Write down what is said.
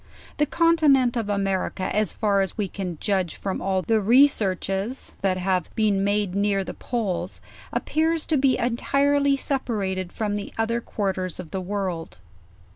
The continent of America as far as we can judge from all the researches that have been made near the poles, ap pears to be entirely separated from the other quarters of the world.